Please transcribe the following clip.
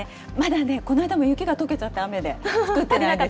この間も雪がとけちゃって、雨で、作ってないです。